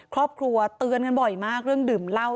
ครอบครัวเตือนกันบ่อยมากเรื่องดื่มเหล้า